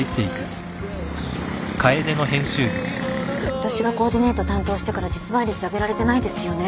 あたしがコーディネート担当してから実売率上げられてないですよね。